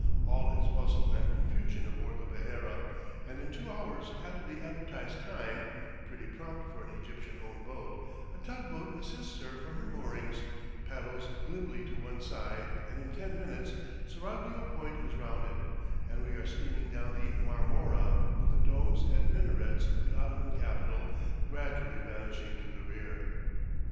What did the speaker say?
All is bustle and confusion aboard the Behera, and in two hours after the advertised time (pretty prompt for an Egyptian owned boat) a tug boat assists her from her moorings, paddles glibly to one side, and in ten minutes Seraglio Point is rounded, and we are steaming down the Marmora with the domes and minarets of the Ottoman capital gradually vanishing to the rear.